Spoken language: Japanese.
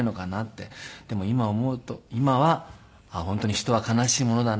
でも今思うと今はあっ本当に人は哀しいものだな。